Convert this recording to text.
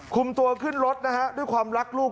คุมตัวขึ้นรถนะฮะด้วยความรักลูก